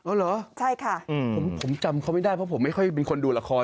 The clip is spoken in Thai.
เหรอใช่ค่ะผมจำเขาไม่ได้เพราะผมไม่ค่อยเป็นคนดูละคร